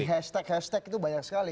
hashtag hashtag itu banyak sekali